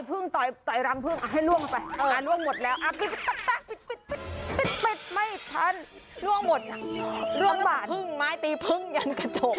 พึ่งไม้ตีพึ่งยาเหนือกระจกค่ะ